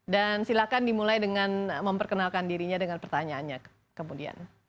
dan silakan dimulai dengan memperkenalkan dirinya dengan pertanyaannya kemudian